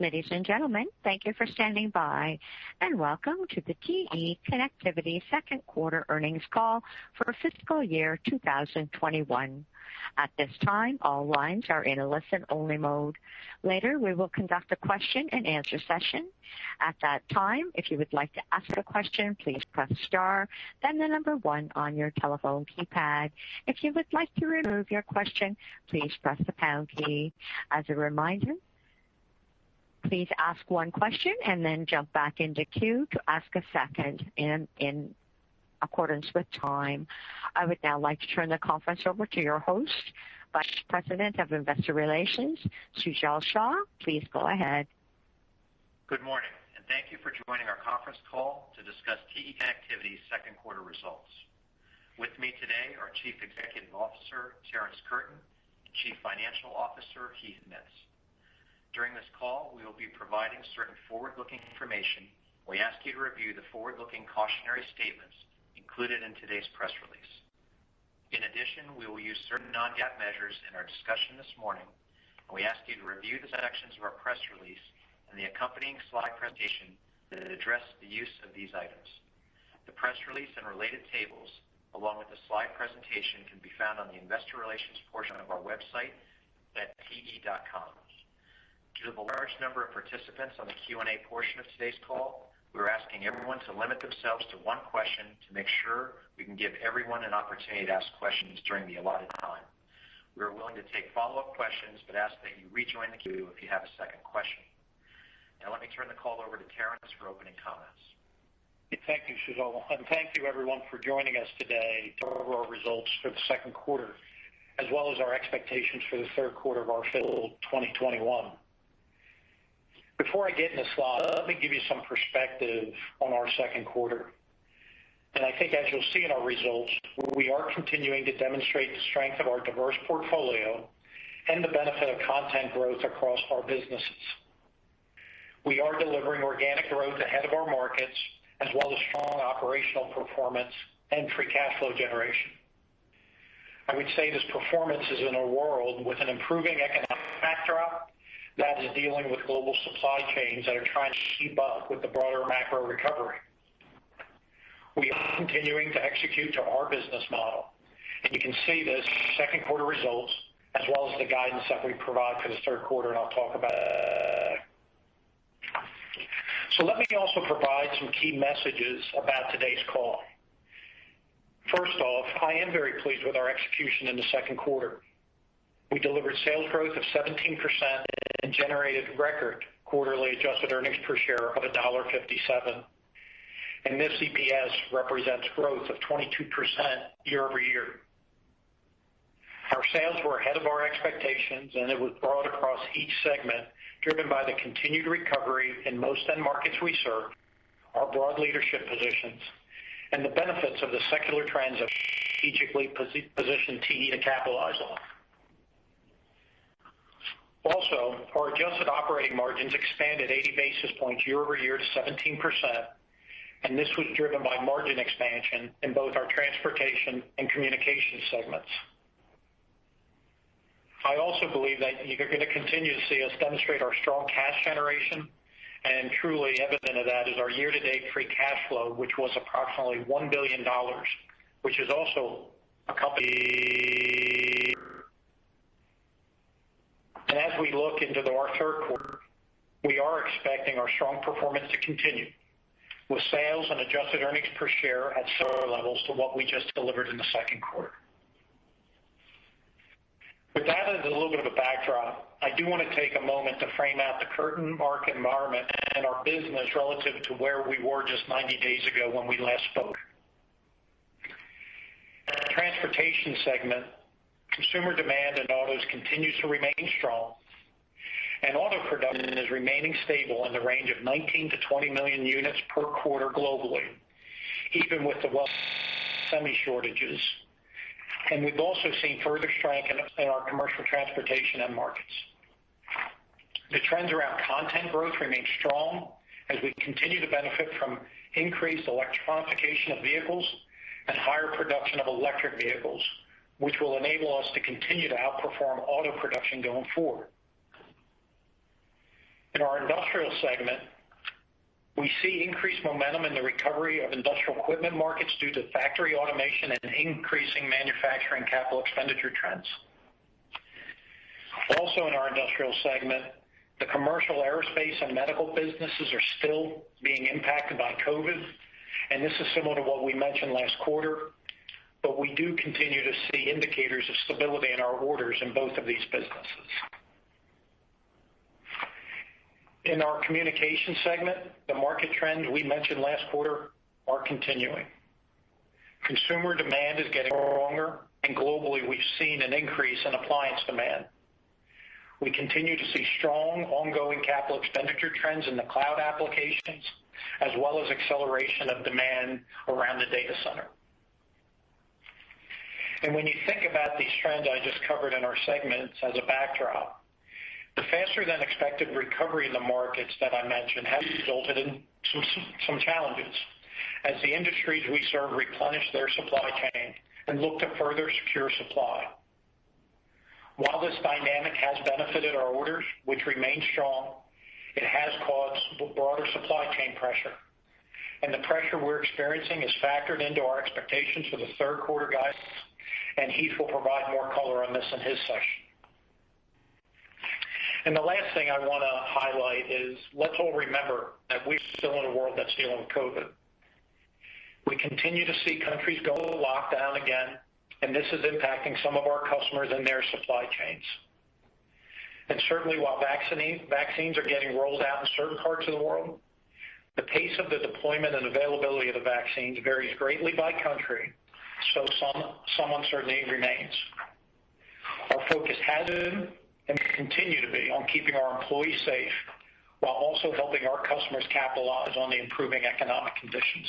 Ladies and gentlemen, thank you for standing by, and welcome to the TE Connectivity second quarter earnings call for fiscal year 2021. At this time, all lines are in a listen-only mode. Later, we will conduct a question-and-answer session. At that time, if you would like to ask a question, please press star, then the number one on your telephone keypad. If you would like to remove your question, please press the pound key. As a reminder, please ask one question and then jump back in the queue to ask a second in accordance with time. I would now like to turn the conference over to your host, Vice President of Investor Relations, Sujal Shah. Please go ahead. Good morning, thank you for joining our conference call to discuss TE Connectivity's second quarter results. With me today are Chief Executive Officer, Terrence Curtin, and Chief Financial Officer, Heath Mitts. During this call, we will be providing certain forward-looking information. We ask you to review the forward-looking cautionary statements included in today's press release. In addition, we will use certain non-GAAP measures in our discussion this morning, and we ask you to review the sections of our press release and the accompanying slide presentation that address the use of these items. The press release and related tables, along with the slide presentation, can be found on the investor relations portion of our website at te.com. Due to the large number of participants on the Q&A portion of today's call, we're asking everyone to limit themselves to one question to make sure we can give everyone an opportunity to ask questions during the allotted time. We are willing to take follow-up questions but ask that you rejoin the queue if you have a second question. Now, let me turn the call over to Terrence for opening comments. Thank you, Sujal, and thank you, everyone, for joining us today to go over our results for the second quarter, as well as our expectations for the third quarter of our fiscal 2021. Before I get into slides, let me give you some perspective on our second quarter. I think as you'll see in our results, we are continuing to demonstrate the strength of our diverse portfolio and the benefit of content growth across our businesses. We are delivering organic growth ahead of our markets, as well as strong operational performance and free cash flow generation. I would say this performance is in a world with an improving economic backdrop that is dealing with global supply chains that are trying to keep up with the broader macro recovery. We are continuing to execute to our business model. You can see this in our second quarter results as well as the guidance that we provide for the third quarter. I'll talk about that. Let me also provide some key messages about today's call. First off, I am very pleased with our execution in the second quarter. We delivered sales growth of 17% and generated record quarterly adjusted earnings per share of $1.57. This EPS represents growth of 22% year-over-year. Our sales were ahead of our expectations. It was broad across each segment, driven by the continued recovery in most end markets we serve, our broad leadership positions, and the benefits of the secular trends that strategically position TE to capitalize on. Our adjusted operating margins expanded 80 basis points year-over-year to 17%. This was driven by margin expansion in both our Transportation and Communications segments. I also believe that you're going to continue to see us demonstrate our strong cash generation, and truly evident of that is our year-to-date free cash flow, which was approximately $1 billion. As we look into our third quarter, we are expecting our strong performance to continue, with sales and adjusted earnings per share at similar levels to what we just delivered in the second quarter. With that as a little bit of a backdrop, I do want to take a moment to frame out the current market environment and our business relative to where we were just 90 days ago when we last spoke. In the Transportation segment, consumer demand in autos continues to remain strong, and Auto production is remaining stable in the range of 19 million-20 million units per quarter globally, even with the semi shortages. We've also seen further strength in our Commercial Transportation end markets. The trends around content growth remain strong as we continue to benefit from increased electrification of vehicles and higher production of electric vehicles, which will enable us to continue to outperform Auto production going forward. In our Industrial segment, we see increased momentum in the recovery of Industrial Equipment markets due to factory automation and increasing manufacturing capital expenditure trends. Also in our Industrial segment, the Commercial Aerospace and Medical businesses are still being impacted by COVID, and this is similar to what we mentioned last quarter. We do continue to see indicators of stability in our orders in both of these businesses. In our Communications segment, the market trends we mentioned last quarter are continuing. Consumer demand is getting stronger, and globally, we've seen an increase in appliance demand. We continue to see strong ongoing capital expenditure trends in the cloud applications, as well as acceleration of demand around the data center. When you think about these trends I just covered in our segments as a backdrop, the faster-than-expected recovery in the markets that I mentioned have resulted in some challenges as the industries we serve replenish their supply chain and look to further secure supply. While this dynamic has benefited our orders, which remain strong, it has caused broader supply chain pressure. The pressure we're experiencing is factored into our expectations for the third quarter guidance, and Heath will provide more color on this in his section. The last thing I want to highlight is, let's all remember that we're still in a world that's dealing with COVID. We continue to see countries go into lockdown again, and this is impacting some of our customers and their supply chains. Certainly, while vaccines are getting rolled out in certain parts of the world, the pace of the deployment and availability of the vaccines varies greatly by country, some uncertainty remains. Our focus has been, and will continue to be, on keeping our employees safe while also helping our customers capitalize on the improving economic conditions.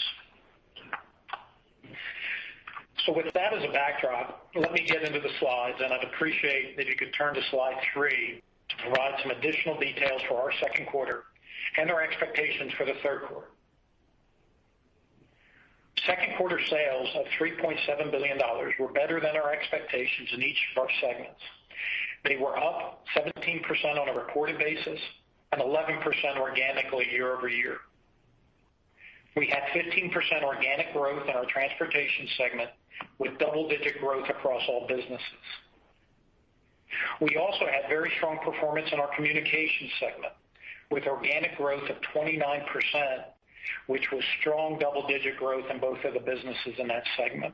With that as a backdrop, let me get into the slides, and I'd appreciate that you could turn to slide three to provide some additional details for our second quarter and our expectations for the third quarter. Second quarter sales of $3.7 billion were better than our expectations in each of our segments. They were up 17% on a reported basis and 11% organically year-over-year. We had 15% organic growth in our Transportation segment, with double-digit growth across all businesses. We also had very strong performance in our Communications segment, with organic growth of 29%, which was strong double-digit growth in both of the businesses in that segment.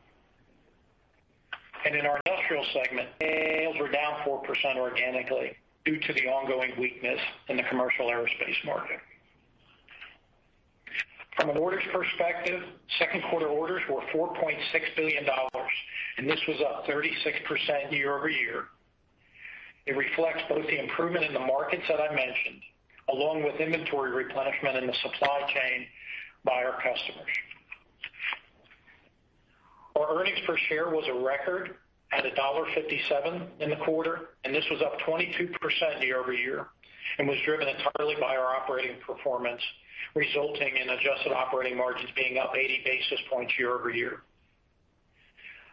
In our Industrial segment, sales were down 4% organically due to the ongoing weakness in the Commercial Aerospace market. From an orders perspective, second quarter orders were $4.6 billion, and this was up 36% year-over-year. It reflects both the improvement in the markets that I mentioned, along with inventory replenishment in the supply chain by our customers. Our earnings per share was a record at $1.57 in the quarter, and this was up 22% year-over-year, and was driven entirely by our operating performance, resulting in adjusted operating margins being up 80 basis points year-over-year.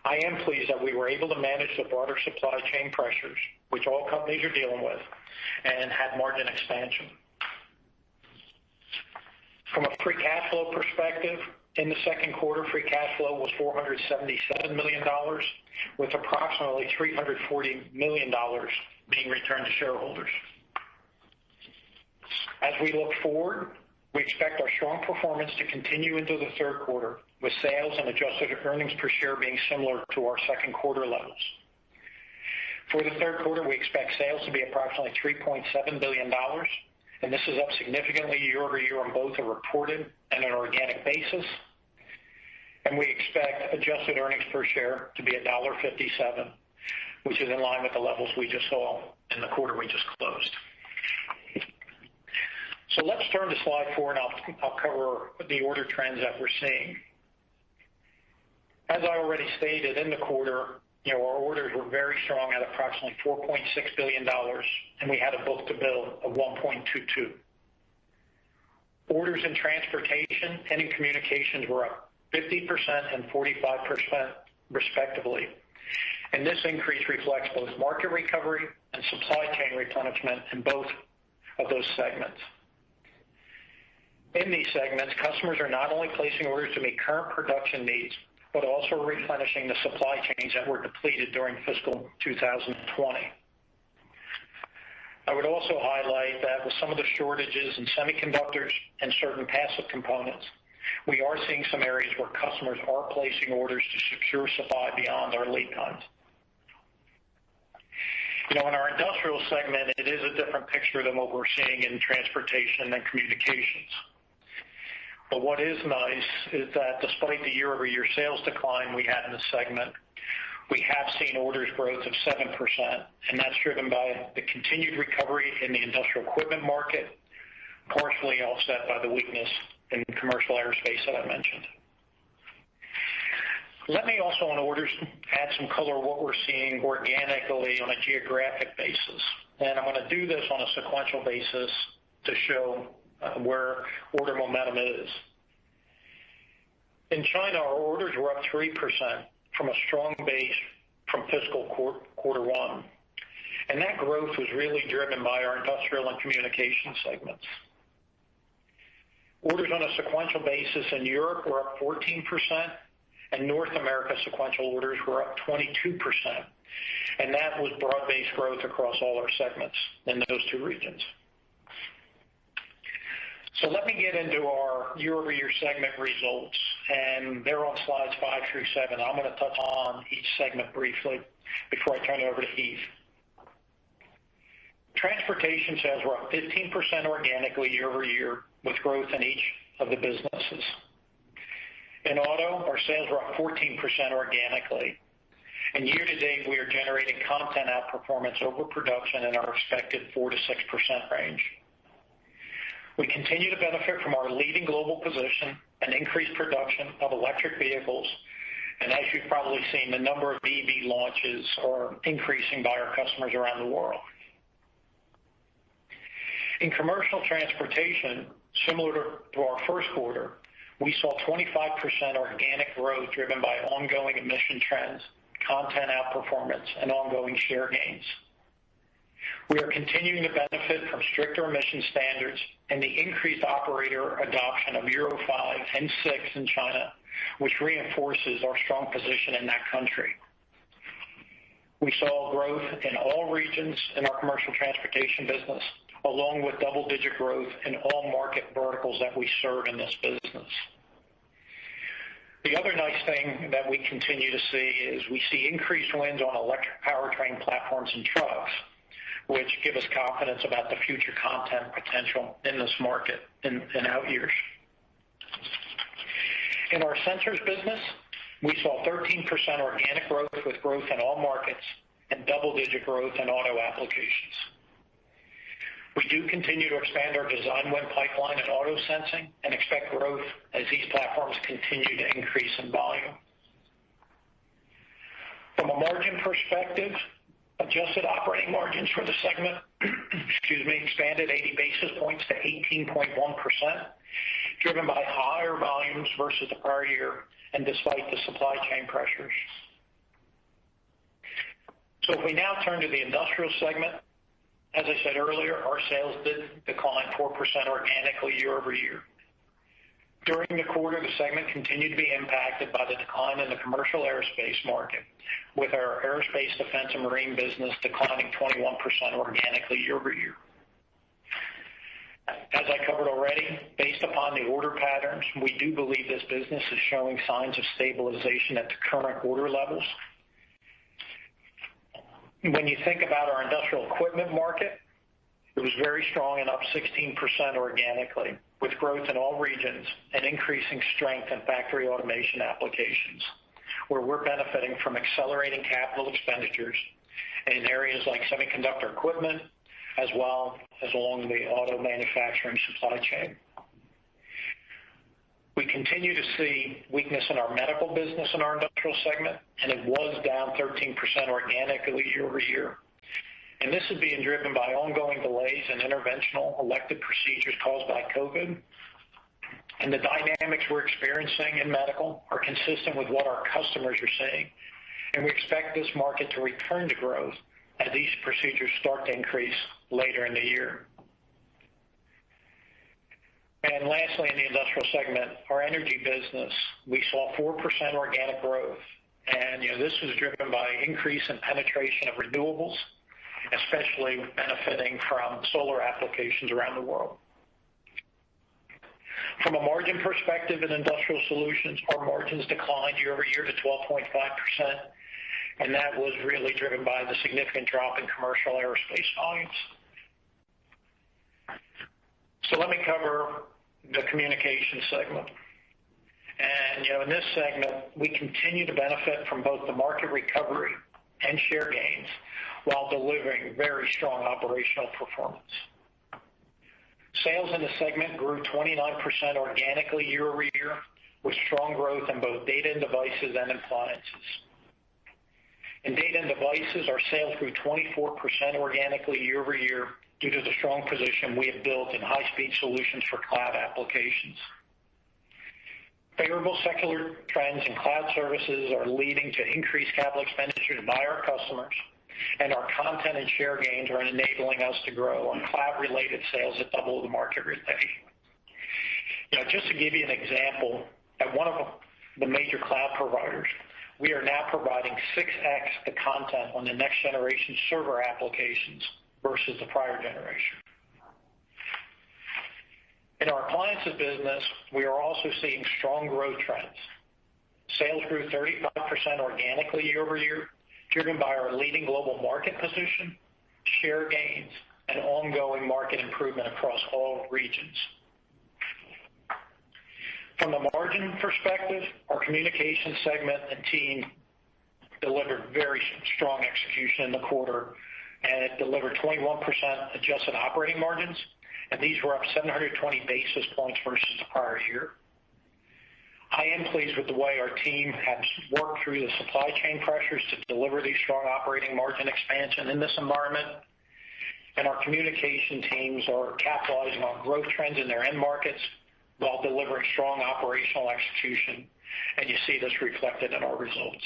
I am pleased that we were able to manage the broader supply chain pressures, which all companies are dealing with, and had margin expansion. From a free cash flow perspective, in the second quarter, free cash flow was $477 million, with approximately $340 million being returned to shareholders. As we look forward, we expect our strong performance to continue into the third quarter, with sales and adjusted earnings per share being similar to our second quarter levels. For the third quarter, we expect sales to be approximately $3.7 billion. This is up significantly year-over-year on both a reported and an organic basis. We expect adjusted earnings per share to be $1.57, which is in line with the levels we just saw in the quarter we just closed. Let's turn to slide four, and I'll cover the order trends that we're seeing. As I already stated, in the quarter, our orders were very strong at approximately $4.6 billion, and we had a book-to-bill of 1.22. Orders in Transportation and in Communications were up 50% and 45%, respectively. This increase reflects both market recovery and supply chain replenishment in both of those segments. In these segments, customers are not only placing orders to meet current production needs, but also replenishing the supply chains that were depleted during fiscal 2020. I would also highlight that with some of the shortages in semiconductors and certain passive components, we are seeing some areas where customers are placing orders to secure supply beyond their lead times. In our Industrial segment, it is a different picture than what we're seeing in Transportation and Communications. What is nice is that despite the year-over-year sales decline we had in the segment; we have seen orders growth of 7%. That's driven by the continued recovery in the Industrial Equipment market, partially offset by the weakness in Commercial Aerospace that I mentioned. Let me also, on orders, add some color on what we're seeing organically on a geographic basis. I'm going to do this on a sequential basis to show where order momentum is. In China, our orders were up 3% from a strong base from fiscal quarter one. That growth was really driven by our Industrial and Communications segments. Orders on a sequential basis in Europe were up 14%, North America sequential orders were up 22%, that was broad-based growth across all our segments in those two regions. Let me get into our year-over-year segment results, they're on slides five through seven. I'm going to touch on each segment briefly before I turn it over to Heath. Transportation sales were up 15% organically year-over-year, with growth in each of the businesses. In Auto, our sales were up 14% organically, year-to-date, we are generating content outperformance over production in our expected 4%-6% range. We continue to benefit from our leading global position and increased production of electric vehicles. As you've probably seen, the number of EV launches are increasing by our customers around the world. In Commercial Transportation, similar to our first quarter, we saw 25% organic growth driven by ongoing emission trends, content outperformance, and ongoing share gains. We are continuing to benefit from stricter emission standards and the increased operator adoption of Euro 5 and 6 in China, which reinforces our strong position in that country. We saw growth in all regions in our Commercial Transportation business, along with double-digit growth in all market verticals that we serve in this business. The other nice thing that we continue to see is we see increased wins on electric powertrain platforms and trucks, which give us confidence about the future content potential in this market in out years. In our Sensors business, we saw 13% organic growth with growth in all markets and double-digit growth in Auto applications. We do continue to expand our design win pipeline in Auto sensing and expect growth as these platforms continue to increase in volume. From a margin perspective, adjusted operating margins for the segment, excuse me, expanded 80 basis points to 18.1%, driven by higher volumes versus the prior year and despite the supply chain pressures. If we now turn to the Industrial segment, as I said earlier, our sales did decline 4% organically year-over-year. During the quarter, the segment continued to be impacted by the decline in the Commercial Aerospace market, with our Aerospace Defense and Marine business declining 21% organically year-over-year. As I covered already, based upon the order patterns, we do believe this business is showing signs of stabilization at the current order levels. When you think about our Industrial Equipment market, it was very strong and up 16% organically, with growth in all regions and increasing strength in factory automation applications, where we're benefiting from accelerating capital expenditures in areas like semiconductor equipment, as well as along the Auto manufacturing supply chain. We continue to see weakness in our Medical business in our Industrial segment, it was down 13% organically year-over-year. This is being driven by ongoing delays in interventional elective procedures caused by COVID. The dynamics we're experiencing in Medical are consistent with what our customers are seeing, and we expect this market to return to growth as these procedures start to increase later in the year. Lastly, in the Industrial segment, our Energy business, we saw 4% organic growth, and this was driven by an increase in penetration of renewables, especially benefiting from solar applications around the world. From a margin perspective in Industrial Solutions, our margins declined year-over-year to 12.5%, that was really driven by the significant drop in Commercial Aerospace volumes. Let me cover the Communications segment. In this segment, we continue to benefit from both the market recovery and share gains while delivering very strong operational performance. Sales in the segment grew 29% organically year-over-year, with strong growth in both Data & Devices and in appliances. In Data & Devices, our sales grew 24% organically year-over-year due to the strong position we have built in high-speed solutions for cloud applications. Favorable secular trends in cloud services are leading to increased capital expenditures by our customers, and our content and share gains are enabling us to grow on cloud-related sales at double the market rate. Just to give you an example, at one of the major cloud providers, we are now providing 6x the content on the next-generation server applications versus the prior generation. In our appliances business, we are also seeing strong growth trends. Sales grew 35% organically year-over-year, driven by our leading global market position, share gains, and ongoing market improvement across all regions. From a margin perspective, our Communications segment and team delivered very strong execution in the quarter and it delivered 21% adjusted operating margins, and these were up 120 basis points versus the prior year. I am pleased with the way our team has worked through the supply chain pressures to deliver these strong operating margin expansion in this environment. Our Communications teams are capitalizing on growth trends in their end markets while delivering strong operational execution. You see this reflected in our results.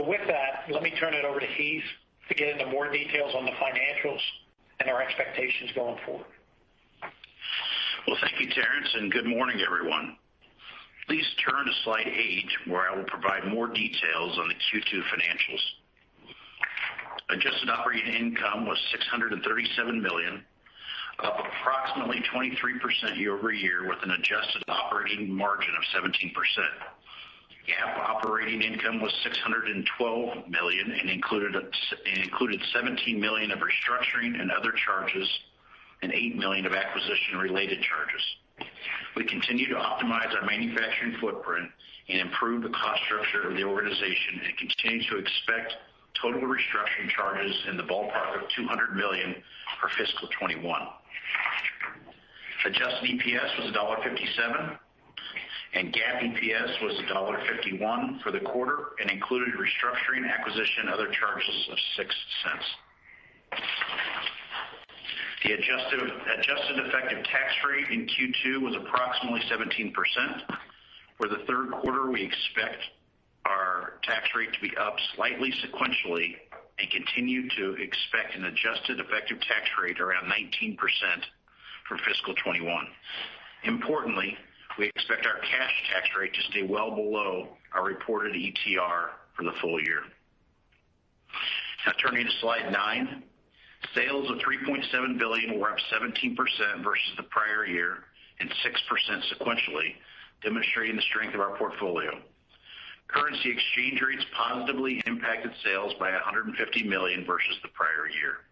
With that, let me turn it over to Heath to get into more details on the financials and our expectations going forward. Well, thank you, Terrence, and good morning, everyone. Please turn to slide eight, where I will provide more details on the Q2 financials. Adjusted operating income was $637 million, up approximately 23% year-over-year, with an adjusted operating margin of 17%. GAAP operating income was $612 million and included $17 million of restructuring and other charges and $8 million of acquisition-related charges. We continue to optimize our manufacturing footprint and improve the cost structure of the organization and continue to expect total restructuring charges in the ballpark of $200 million for fiscal 2021. Adjusted EPS was $1.57, and GAAP EPS was $1.51 for the quarter and included restructuring acquisition and other charges of $0.06. The adjusted effective tax rate in Q2 was approximately 17%. For the third quarter, we expect our tax rate to be up slightly sequentially and continue to expect an adjusted effective tax rate around 19% for fiscal 2021. Importantly, we expect our cash tax rate to stay well below our reported ETR for the full year. Now turning to slide nine. Sales of $3.7 billion were up 17% versus the prior year and 6% sequentially, demonstrating the strength of our portfolio. Currency exchange rates positively impacted sales by $150 million versus the prior year.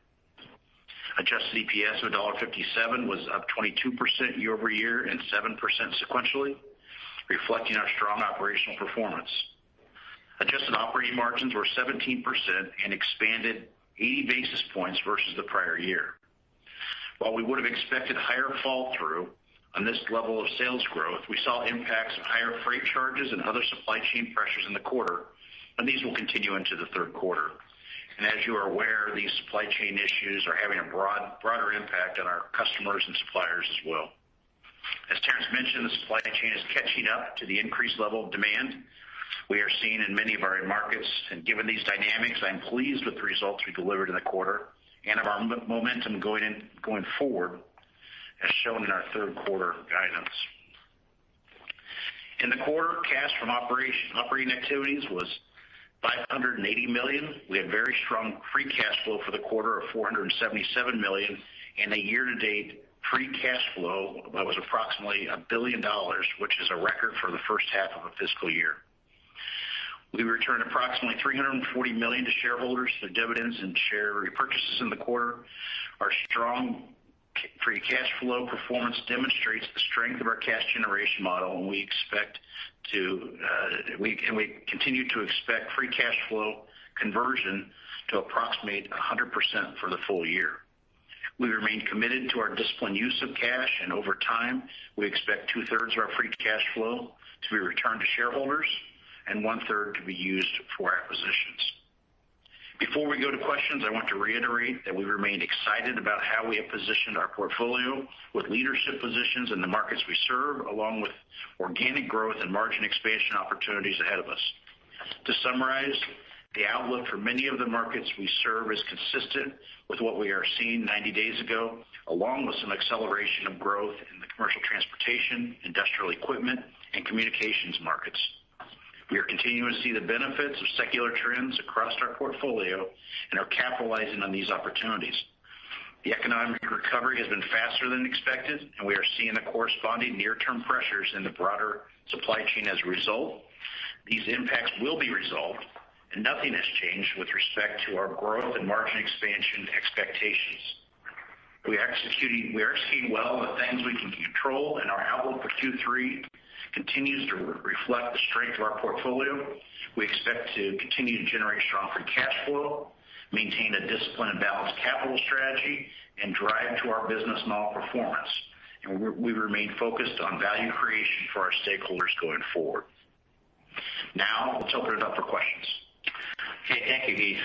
Adjusted EPS of $1.57 was up 22% year-over-year and 7% sequentially, reflecting our strong operational performance. Adjusted operating margins were 17% and expanded 80 basis points versus the prior year. While we would have expected higher fall-through on this level of sales growth, we saw impacts of higher freight charges and other supply chain pressures in the quarter. These will continue into the third quarter. As you are aware, these supply chain issues are having a broader impact on our customers and suppliers as well. As Terrence mentioned, the supply chain is catching up to the increased level of demand we are seeing in many of our markets. Given these dynamics, I am pleased with the results we delivered in the quarter and of our momentum going forward, as shown in our third quarter guidance. In the quarter, cash from operating activities was $580 million. We had very strong free cash flow for the quarter of $477 million, and a year-to-date free cash flow that was approximately $1 billion, which is a record for the first half of a fiscal year. We returned approximately $340 million to shareholders through dividends and share repurchases in the quarter. Our strong free cash flow performance demonstrates the strength of our cash generation model, and we continue to expect free cash flow conversion to approximate 100% for the full year. We remain committed to our disciplined use of cash, and over time, we expect 2/3 of our free cash flow to be returned to shareholders and one-third to be used for acquisitions. Before we go to questions, I want to reiterate that we remain excited about how we have positioned our portfolio with leadership positions in the markets we serve, along with organic growth and margin expansion opportunities ahead of us. To summarize, the outlook for many of the markets we serve is consistent with what we are seeing 90 days ago, along with some acceleration of growth in the Commercial Transportation, Industrial Equipment, and Communications markets. We are continuing to see the benefits of secular trends across our portfolio and are capitalizing on these opportunities. The economic recovery has been faster than expected, and we are seeing the corresponding near-term pressures in the broader supply chain as a result. These impacts will be resolved, and nothing has changed with respect to our growth and margin expansion expectations. We are executing well the things we can control, and our outlook for Q3 continues to reflect the strength of our portfolio. We expect to continue to generate strong free cash flow, maintain a disciplined and balanced capital strategy, and drive to our business model performance. We remain focused on value creation for our stakeholders going forward. Now, let's open it up for questions. Okay. Thank you, Heath.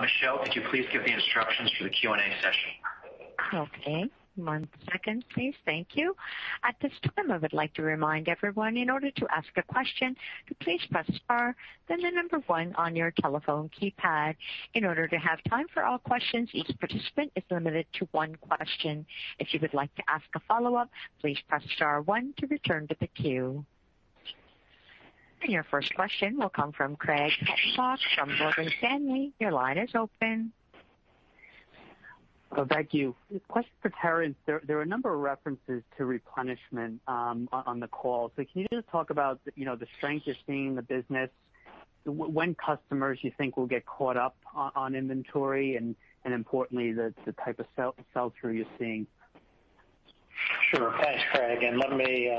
Michelle, could you please give the instructions for the Q&A session? Okay. One second, please. Thank you. At this time, I would like to remind everyone, in order to ask a question, to please press star, then the number one on your telephone keypad. In order to have time for all questions, each participant is limited to one question. If you would like to ask a follow-up, please press star one to return to the queue. Your first question will come from Craig Hettenbach from Morgan Stanley. Your line is open. Thank you. Question for Terrence. There are a number of references to replenishment on the call. Can you just talk about the strength you're seeing in the business, when customers you think will get caught up on inventory, and importantly, the type of sell-through you're seeing? Sure. Thanks, Craig, and let me.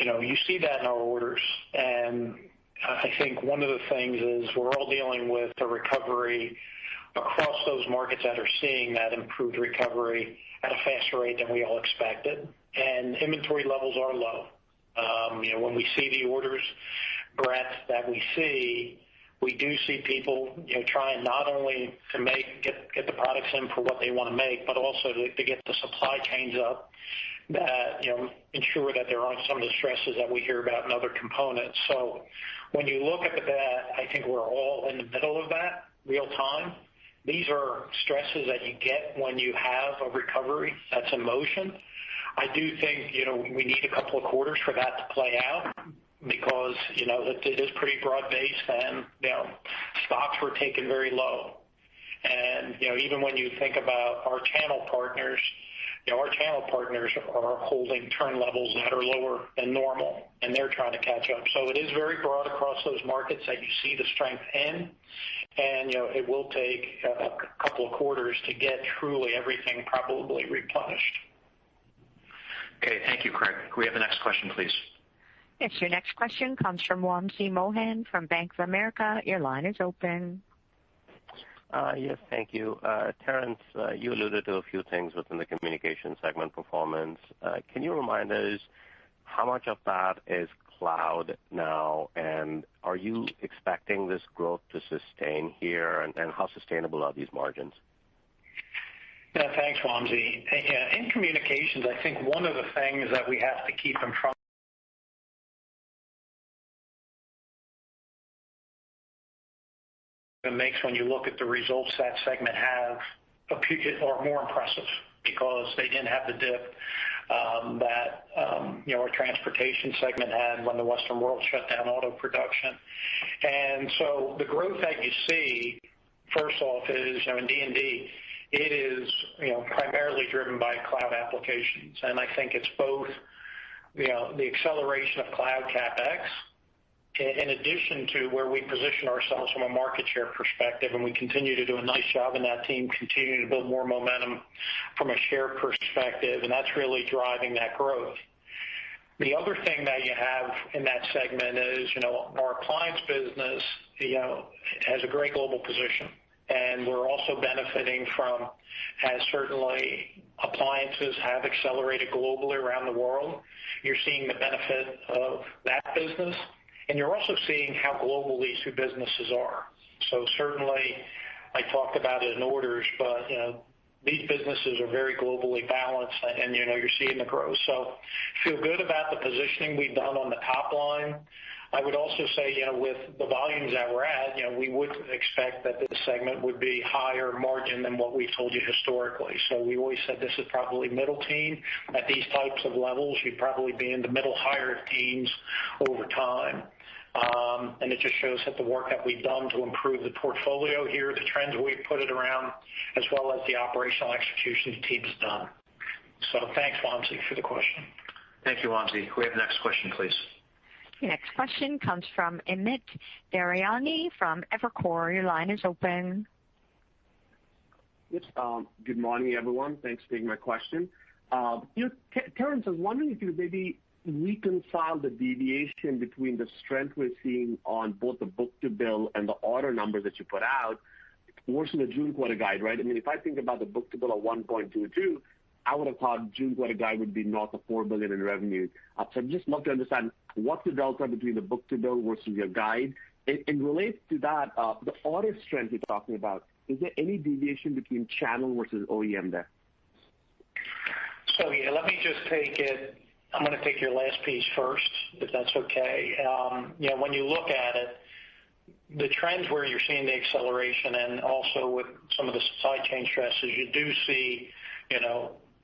You see that in our orders. I think one of the things is we're all dealing with the recovery across those markets that are seeing that improved recovery at a faster rate than we all expected. Inventory levels are low. When we see the orders breadth that we see, we do see people trying not only to get the products in for what they want to make, but also to get the supply chains up that ensure that there aren't some of the stresses that we hear about in other components. When you look at that, I think we're all in the middle of that real time. These are stresses that you get when you have a recovery that's in motion. I do think we need a couple of quarters for that to play out because it is pretty broad-based. Stocks were taken very low. Even when you think about our channel partners, our channel partners are holding turn levels that are lower than normal. They're trying to catch up. It is very broad across those markets that you see the strength in. It will take a couple of quarters to get truly everything probably replenished. Okay. Thank you, Craig. Could we have the next question, please? Yes, your next question comes from Wamsi Mohan from Bank of America. Your line is open. Yes. Thank you. Terrence, you alluded to a few things within the Communications segment performance. Can you remind us how much of that is cloud now, and are you expecting this growth to sustain here, and how sustainable are these margins? Yeah, thanks, Wamsi. In Communications, I think one of the things that we have to keep in front when you look at the results that segment have are more impressive because they didn't have the dip that our Transportation segment had when the Western world shut down Auto production. The growth that you see first off is in D&D. It is primarily driven by cloud applications, and I think it's both the acceleration of cloud CapEx in addition to where we position ourselves from a market share perspective, and we continue to do a nice job, and that team continue to build more momentum from a share perspective, and that's really driving that growth. The other thing that you have in that segment is our appliance business has a great global position, and we're also benefiting from as certainly appliances have accelerated globally around the world. You're seeing the benefit of that business, and you're also seeing how global these two businesses are. Certainly, I talked about it in orders, but these businesses are very globally balanced, and you're seeing the growth. Feel good about the positioning we've done on the top line. I would also say with the volumes that we're at, we would expect that this segment would be a higher margin than what we've told you historically. We've always said this is probably middle teen. At these types of levels, you'd probably be in the mid-to-high teens over time. It just shows that the work that we've done to improve the portfolio here, the trends that we've put it around, as well as the operational execution the team's done. Thanks, Wamsi, for the question. Thank you, Wamsi. Can we have the next question, please? Your next question comes from Amit Daryanani from Evercore. Your line is open. Yes. Good morning, everyone. Thanks for taking my question. Terrence, I was wondering if you maybe reconcile the deviation between the strength we're seeing on both the book-to-bill and the order numbers that you put out versus the June quarter guide. If I think about the book-to-bill of 1.22, I would've thought June quarter guide would be north of $4 billion in revenue. I'd just love to understand what's the delta between the book-to-bill versus your guide. Relates to that, the order strength you're talking about, is there any deviation between channel versus OEM there? Yeah, I'm going to take your last piece first, if that's okay. When you look at it, the trends where you're seeing the acceleration and also with some of the supply chain stresses, you do see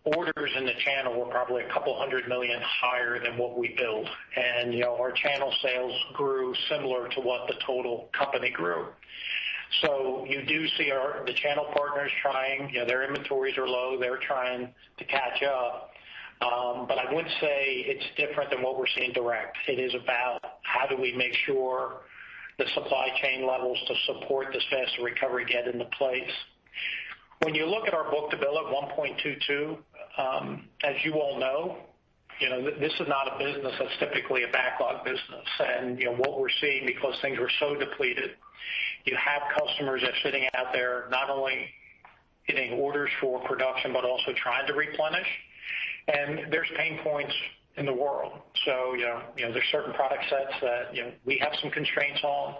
orders in the channel were probably a couple hundred million higher than what we billed. Our channel sales grew similar to what the total company grew. You do see the channel partners trying. Their inventories are low. They're trying to catch up. I would say it's different than what we're seeing direct. It is about how do we make sure the supply chain levels to support this faster recovery get into place. When you look at our book-to-bill at 1.22, as you all know, this is not a business that's typically a backlog business. What we're seeing, because things were so depleted, you have customers that's sitting out there not only getting orders for production, but also trying to replenish. There's pain points in the world. There's certain product sets that we have some constraints on.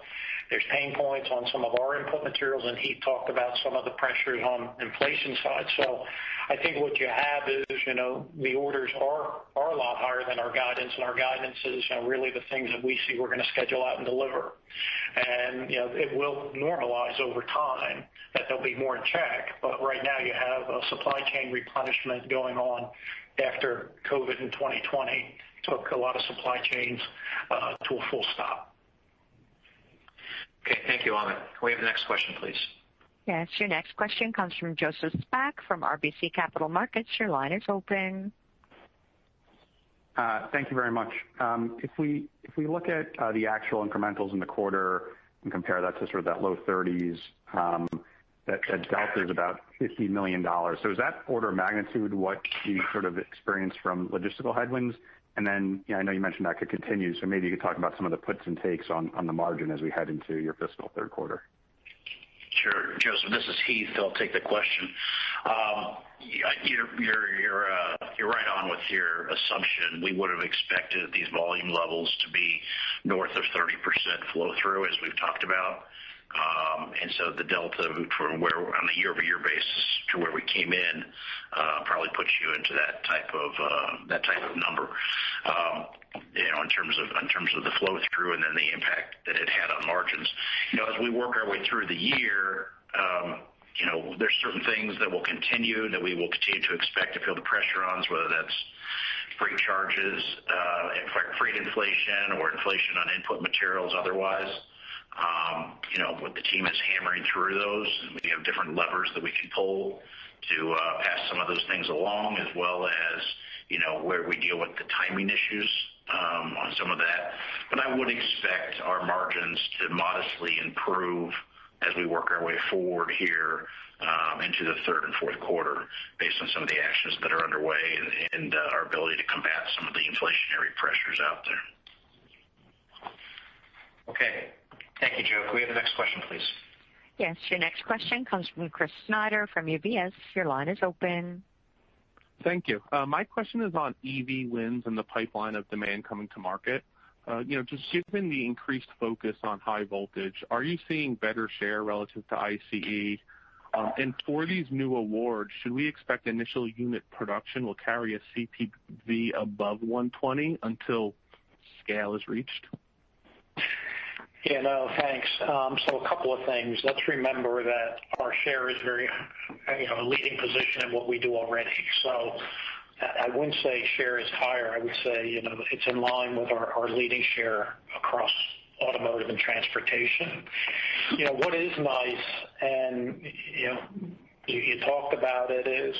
There's pain points on some of our input materials, and Heath talked about some of the pressures on inflation side. I think what you have is the orders are a lot higher than our guidance, and our guidance is really the things that we see we're going to schedule out and deliver. It will normalize over time, that they'll be more in check. Right now you have a supply chain replenishment going on after COVID in 2020 took a lot of supply chains to a full stop. Okay. Thank you, Amit. Can we have the next question, please? Yes, your next question comes from Joseph Spak from RBC Capital Markets. Your line is open. Thank you very much. If we look at the actual incremental in the quarter and compare that to sort of that low 30s, that delta is about $50 million. Is that order of magnitude what you sort of experienced from logistical headwinds? I know you mentioned that you could continue, so maybe you could talk about some of the puts and takes on the margin as we head into your fiscal third quarter. Sure. Joseph, this is Heath. I'll take the question. You're right on with your assumption. We would've expected these volume levels to be north of 30% flow through, as we've talked about. The delta on a year-over-year basis to where we came in probably puts you into that type of number in terms of the flow through and then the impact that it had on margins. As we work our way through the year, there's certain things that will continue that we will continue to expect to feel the pressure on, whether that's freight charges, freight inflation, or inflation on input materials otherwise. The team is hammering through those, and we have different levers that we can pull to pass some of those things along, as well as where we deal with the timing issues on some of that. I would expect our margins to modestly improve as we work our way forward here into the third and fourth quarter based on some of the actions that are underway and our ability to combat some of the inflationary pressures out there. Okay. Thank you, Joe. Can we have the next question, please? Yes. Your next question comes from Chris Snyder from UBS. Your line is open. Thank you. My question is on EV wins and the pipeline of demand coming to market. Just given the increased focus on high voltage, are you seeing better share relative to ICE? For these new awards, should we expect initial unit production will carry a CPV above 120 until scale is reached? Yeah, no, thanks. A couple of things. Let's remember that our share is very, a leading position in what we do already. I wouldn't say share is higher. I would say, it's in line with our leading share across Automotive and Transportation. What is nice, and you talked about it, is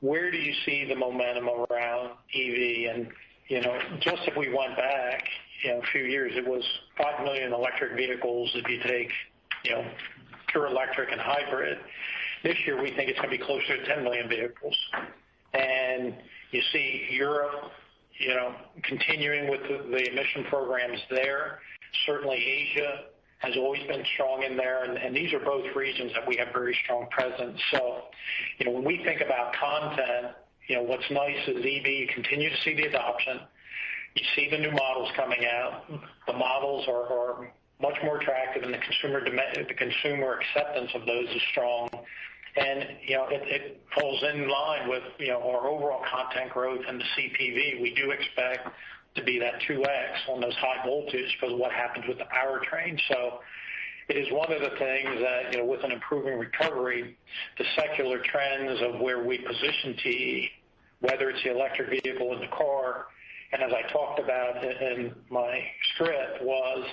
where do you see the momentum around EV? Just if we went back a few years, it was 5 million electric vehicles if you take pure electric and hybrid. This year, we think it's going to be closer to 10 million vehicles. You see Europe continuing with the emission programs there. Certainly, Asia has always been strong in there, and these are both regions that we have very strong presence. When we think about content, what's nice is EV, you continue to see the adoption. You see the new models coming out. The models are much more attractive, and the consumer acceptance of those is strong. It falls in line with our overall content growth and the CPV. We do expect to be that 2x on those high voltage for what happens with the powertrain. It is one of the things that, with an improving recovery, the secular trends of where we position TE, whether it's the electric vehicle in the car, and as I talked about in my script, was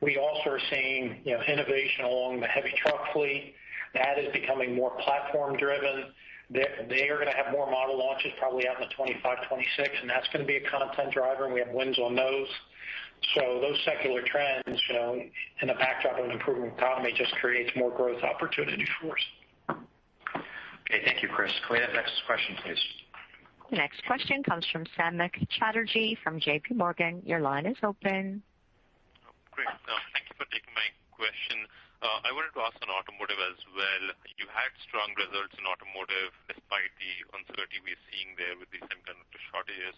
we also are seeing innovation along the heavy truck fleet. That is becoming more platform-driven. They are going to have more model launches probably out in 2025, 2026, and that's going to be a content driver, and we have wins on those. Those secular trends, in the backdrop of an improving economy, just creates more growth opportunity for us. Okay. Thank you, Chris. Can we have the next question, please? Next question comes from Samik Chatterjee from JPMorgan. Your line is open. Oh, great. Thank you for taking my question. I wanted to ask on Automotive as well. You had strong results in Automotive despite the uncertainty we are seeing there with the semiconductor shortages.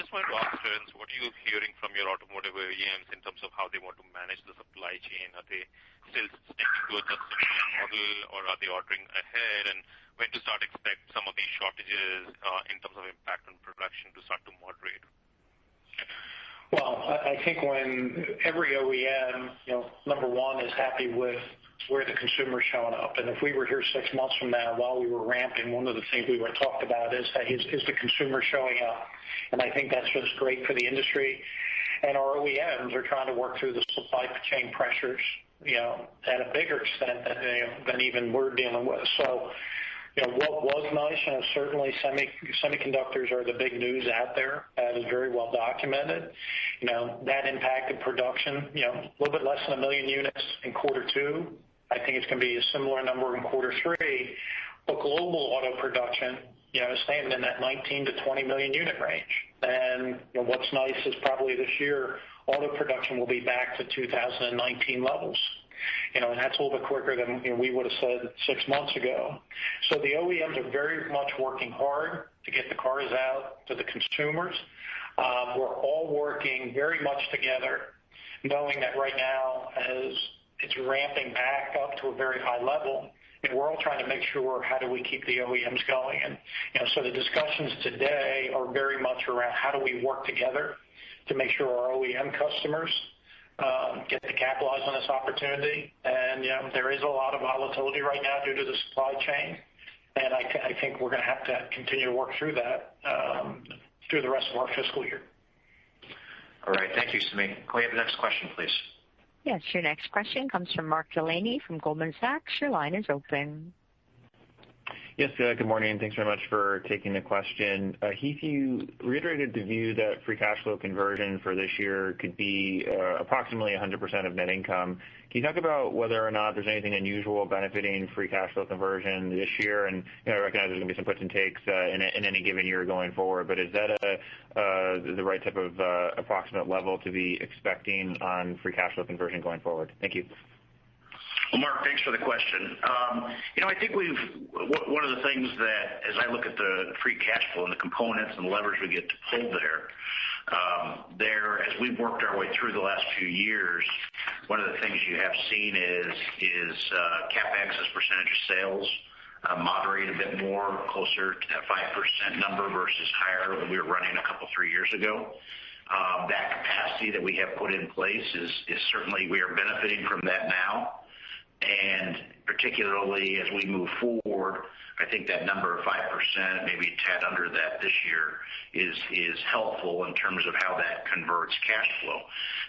Just wanted to ask, what are you hearing from your Automotive OEMs in terms of how they want to manage the supply chain? Are they still sticking to a consumption model or are they ordering ahead? When to start expect some of these shortages, in terms of impact on production to start to moderate? Well, I think when every OEM, number one, is happy with where the consumer's showing up. If we were here six months from now while we were ramping, one of the things we would've talked about is, "Is the consumer showing up?" I think that's just great for the industry, and our OEMs are trying to work through the supply chain pressures, at a bigger extent than even we're dealing with. What was nice, certainly, semiconductors are the big news out there. That is very well documented. That impacted production, a little bit less than 1 million units in quarter two. I think it's going to be a similar number in quarter three. Global Auto production, staying in that 19-20 million unit range. What's nice is probably this year Auto production will be back to 2019 levels. That's a little bit quicker than we would've said six months ago. The OEMs are very much working hard to get the cars out to the consumers. We're all working very much together knowing that right now as it's ramping back up to a very high level, and we're all trying to make sure how do we keep the OEMs going. The discussions today are very much around how do we work together to make sure our OEM customers get to capitalize on this opportunity. There is a lot of volatility right now due to the supply chain, and I think we're going to have to continue to work through that through the rest of our fiscal year. All right. Thank you, Samik. Can we have the next question, please? Yes. Your next question comes from Mark Delaney from Goldman Sachs. Your line is open. Yes. Good morning, and thanks very much for taking the question. Heath, you reiterated the view that free cash flow conversion for this year could be approximately 100% of net income. Can you talk about whether or not there's anything unusual benefiting free cash flow conversion this year? I recognize there's going to be some puts and takes in any given year going forward, but is that the right type of approximate level to be expecting on free cash flow conversion going forward? Thank you. Mark, thanks for the question. I think one of the things that as I look at the free cash flow and the components and the leverage we get to pull there. As we've worked our way through the last few years, one of the things you have seen is CapEx as a percentage of sales moderate a bit more closer to that 5% number versus higher when we were running a couple three years ago. That capacity that we have put in place is certainly we are benefiting from that now. Particularly as we move forward, I think that number of 5%, maybe a tad under that this year, is helpful in terms of how that converts cash flow.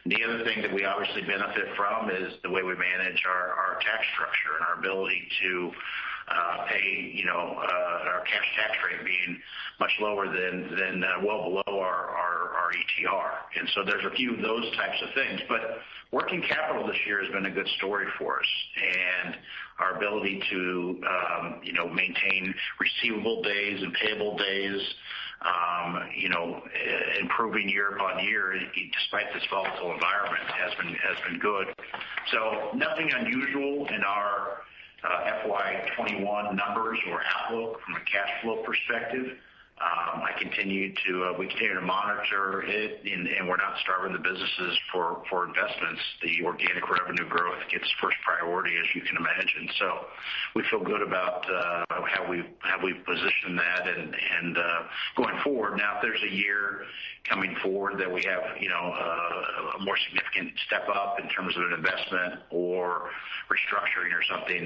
The other thing that we obviously benefit from is the way we manage our tax structure and our ability to pay our cash tax rate being much lower than well below our ETR. There's a few of those types of things. Working capital this year has been a good story for us, and our ability to maintain receivable days and payable days, improving year-over-year despite this volatile environment has been good. Nothing unusual in our FY 2021 numbers or outlook from a cash flow perspective. We continue to monitor it, and we're not starving the businesses for investments. The organic revenue growth gets first priority, as you can imagine. We feel good about how we've positioned that. Going forward, now if there's a year coming forward that we have a more significant step up in terms of an investment or restructuring or something,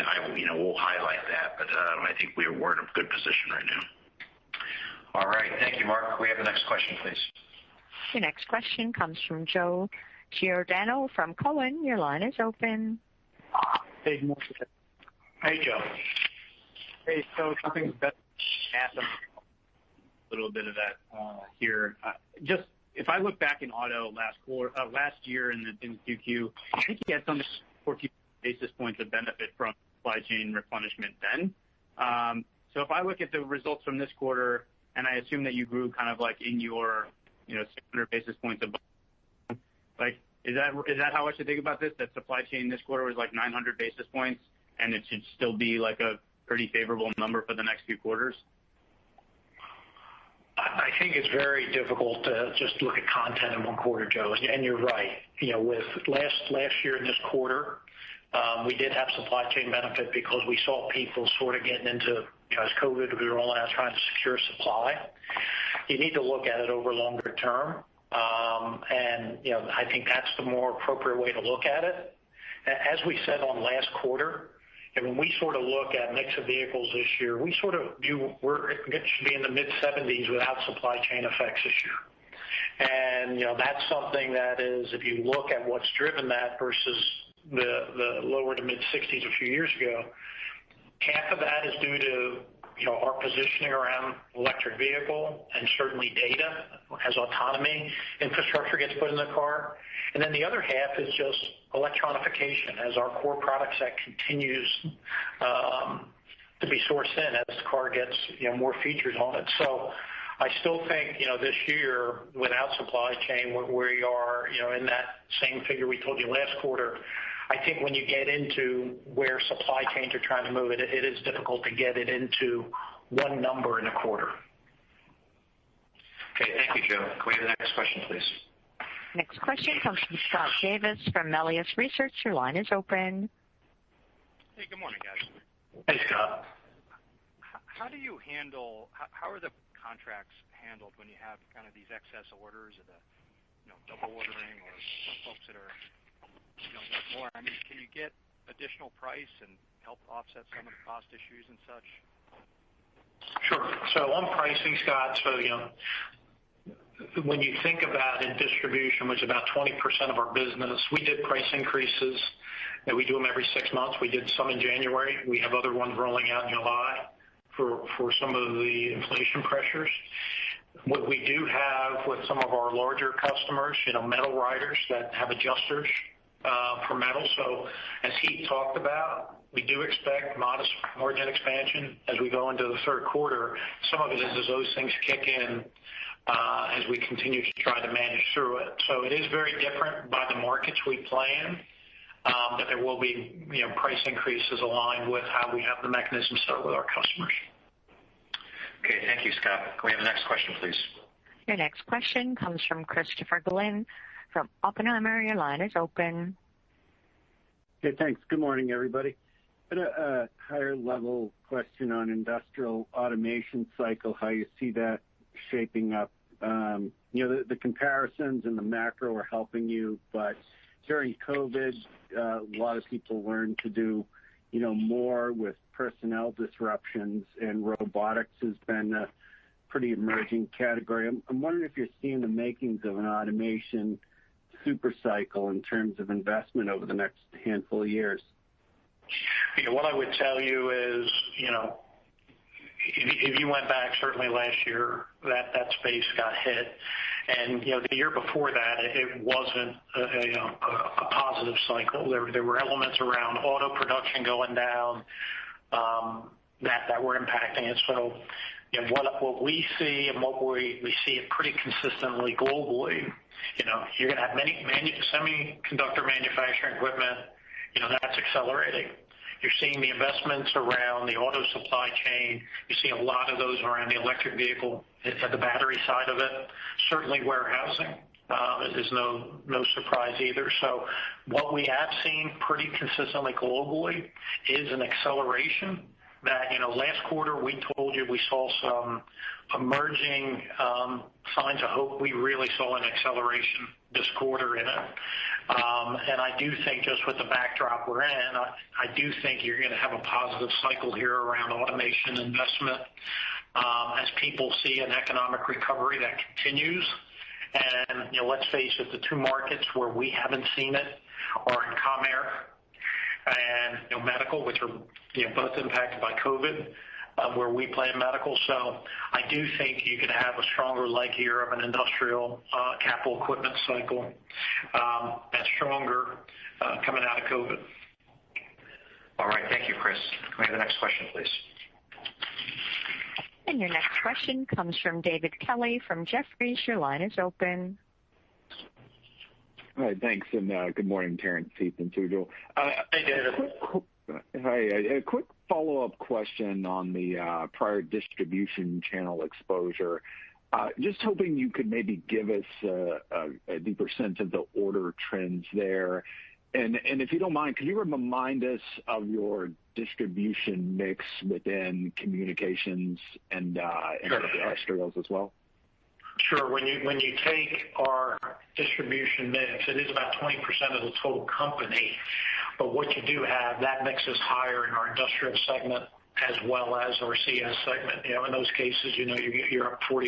we'll highlight that. I think we're in a good position right now. All right. Thank you, Mark. Can we have the next question, please? Your next question comes from Joe Giordano from Cowen. Your line is open. Hey, Mark. Hey, Joe. Hey, talking about a little bit of that here. Just if I look back in Auto last year in 2Q, I think you had something like 40 basis points of benefit from supply chain replenishment then. If I look at the results from this quarter, and I assume that you grew kind of like in your 600 basis points above, is that how I should think about this? That supply chain this quarter was like 900 basis points, and it should still be a pretty favorable number for the next few quarters? I think it's very difficult to just look at content in one quarter, Joe. You're right. With last year in this quarter, we did have a supply chain benefit because we saw people sort of getting into, as COVID, we were all out trying to secure supply. You need to look at it over a longer term. I think that's the more appropriate way to look at it. As we said on last quarter, and when we look at the mix of vehicles this year, it should be in the mid-70s without supply chain effects this year. That's something that is, if you look at what's driven that versus the lower to mid-60s a few years ago, half of that is due to our positioning around electric vehicles and certainly data as autonomy infrastructure gets put in the car. The other half is just electronification as our core product set continues to be sourced in as the car gets more features on it. I still think, this year, without supply chain, we are in that same figure we told you last quarter. I think when you get into where supply chains are trying to move, it is difficult to get it into one number in a quarter. Okay. Thank you, Joe. Can we have the next question, please? Next question comes from Scott Davis from Melius Research. Your line is open. Hey, good morning, guys. Hey, Scott. How are the contracts handled when you have kind of these excess orders or the double ordering? Can you get additional price and help offset some of the cost issues and such? Sure. On pricing, Scott, when you think about in distribution, which is about 20% of our business, we did price increases, and we do them every six months. We did some in January. We have other ones rolling out in July for some of the inflation pressures. What we do have with some of our larger customers, metal riders that have adjusters for metal. As he talked about, we do expect modest margin expansion as we go into the third quarter. Some of it is as those things kick in as we continue to try to manage through it. It is very different by the markets we play in. There will be price increases aligned with how we have the mechanisms set up with our customers. Okay. Thank you, Scott. Can we have the next question, please? Your next question comes from Christopher Glynn from Oppenheimer. Your line is open. Okay, thanks. Good morning, everybody. A higher-level question on Industrial Automation cycle, how you see that shaping up. The comparisons and the macro are helping you, but during COVID, a lot of people learned to do more with personnel disruptions, and robotics has been a pretty emerging category. I'm wondering if you're seeing the makings of an automation super cycle in terms of investment over the next handful of years. What I would tell you is, if you went back, certainly last year, that space got hit. The year before that, it wasn't a positive cycle. There were elements around Auto production going down that were impacting it. What we see, and we see it pretty consistently globally, you're going to have semiconductor manufacturing equipment that's accelerating. You're seeing the investments around the Auto supply chain. You're seeing a lot of those around the electric vehicle at the battery side of it. Certainly, warehousing is no surprise either. What we have seen pretty consistently globally is an acceleration that last quarter we told you we saw some emerging signs of hope. We really saw an acceleration this quarter in it. I do think just with the backdrop we're in, I do think you're going to have a positive cycle here around automation investment as people see an economic recovery that continues. Let's face it, the two markets where we haven't seen it are in Medical, which are both impacted by COVID, where we play in Medical. I do think you could have a stronger leg here of an Industrial capital equipment cycle, and stronger coming out of COVID. All right. Thank you, Chris. Can we have the next question, please? Your next question comes from David Kelley from Jefferies. Your line is open. Hi, thanks, and good morning, Terrence, Heath, and Sujal. Hi, David. Hi. A quick follow-up question on the prior distribution channel exposure. Just hoping you could maybe give us the percent of the order trends there. If you don't mind, could you remind us of your distribution mix within Communications? Sure And Industrial as well? Sure. When you take our distribution mix, it is about 20% of the total company, but what you do have, that mix is higher in our Industrial segment as well as our CS segment. In those cases, you're up 40%+.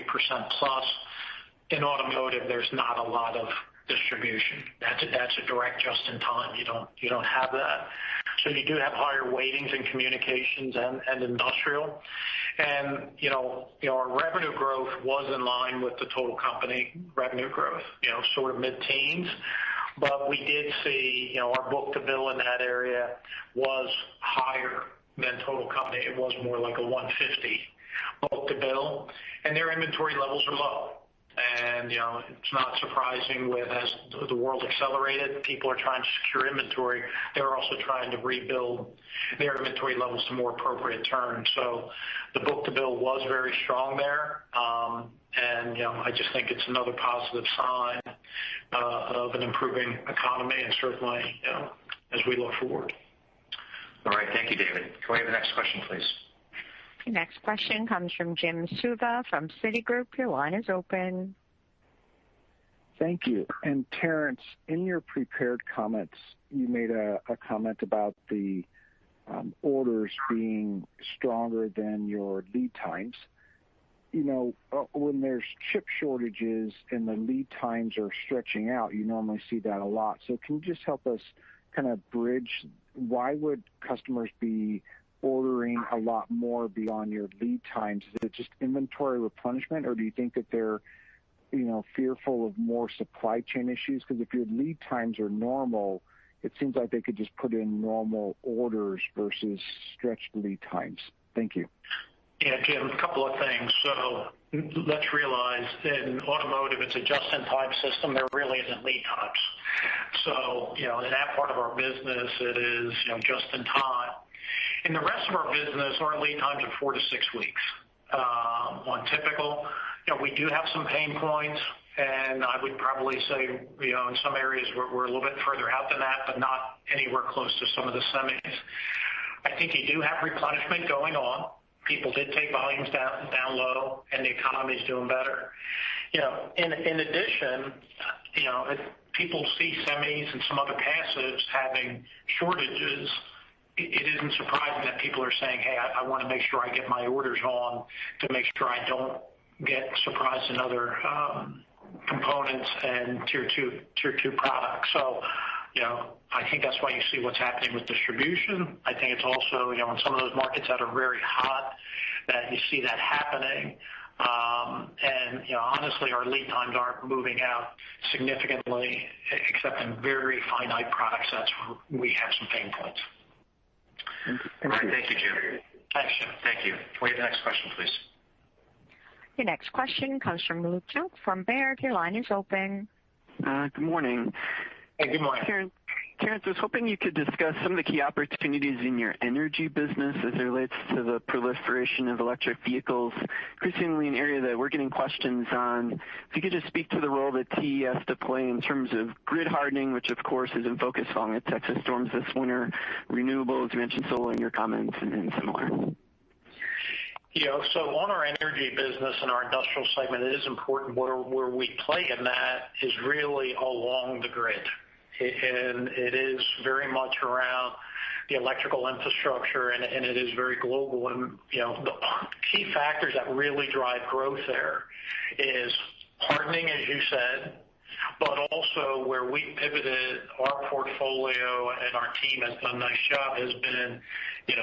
In Automotive, there's not a lot of distribution. That's a direct just-in-time. You don't have that. You do have higher weightings in Communications and Industrial. Our revenue growth was in line with the total company revenue growth, sort of mid-teens. We did see our book-to-bill in that area was higher than total company. It was more like a 1.50 book-to-bill, and their inventory levels are low. It's not surprising with as the world accelerated, people are trying to secure inventory. They're also trying to rebuild their inventory levels to more appropriate terms. The book-to-bill was very strong there. I just think it's another positive sign of an improving economy and certainly as we look forward. All right. Thank you, David. Can we have the next question, please? The next question comes from Jim Suva from Citigroup. Your line is open. Thank you. Terrence, in your prepared comments, you made a comment about the orders being stronger than your lead times. When there's chip shortages and the lead times are stretching out, you normally see that a lot. Can you just help us kind of bridge why would customers be ordering a lot more beyond your lead times? Is it just inventory replenishment, or do you think that they're fearful of more supply chain issues? If your lead times are normal, it seems like they could just put in normal orders versus stretched lead times. Thank you. Yeah, Jim, a couple of things. Let's realize in Automotive, it's a just-in-time system. There really isn't lead times. In that part of our business, it is just in time. In the rest of our business, our lead times are four to six weeks on typical. We do have some pain points, and I would probably say in some areas we're a little bit further out than that, but not anywhere close to some of the semis. I think you do have replenishment going on. People did take volumes down low, and the economy's doing better. In addition, people see Semi's and some other passives having shortages. It isn't surprising that people are saying, "Hey, I want to make sure I get my orders on to make sure I don't get surprised in other components and tier two products." I think that's why you see what's happening with distribution. I think it's also in some of those markets that are very hot that you see that happening. Honestly, our lead times aren't moving out significantly except in very finite product sets where we have some pain points. Thank you. All right. Thank you, Jim. Thanks, Jim. Thank you. Can we have the next question, please? Your next question comes from Luke Junk from Baird. Your line is open. Good morning. Hey, good morning. Terrence, I was hoping you could discuss some of the key opportunities in your Energy business as it relates to the proliferation of electric vehicles, increasingly an area that we're getting questions on. If you could just speak to the role that TE has to play in terms of grid hardening, which of course is in focus following the Texas storms this winter, renewables, you mentioned solar in your comments, and then some more. On our Energy business and our Industrial segment, it is important where we play in that is really along the grid. It is very much around the electrical infrastructure, and it is very global. The key factors that really drive growth there is hardening, as you said, but also where we pivoted our portfolio, and our team has done a nice job, has been